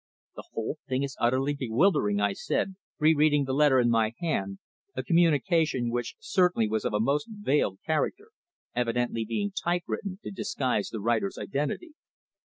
"The whole thing is utterly bewildering," I said, re reading the letter in my hand, a communication which certainly was of a most veiled character, evidently being type written to disguise the writer's identity.